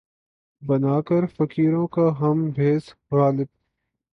بنا کر فقیروں کا ہم بھیس، غالبؔ!